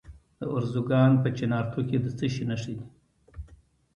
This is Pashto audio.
د ارزګان په چنارتو کې د څه شي نښې دي؟